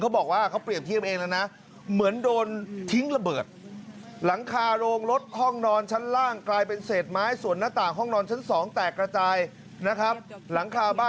เขาบอกว่าเขาเปลี่ยนที่เข้าไปเองเลยนะ